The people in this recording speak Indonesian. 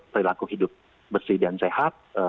perilaku hidup bersih dan sehat